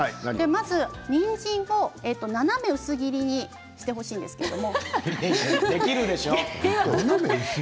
まず、にんじんを斜め薄切りにしてほしいんですけれど。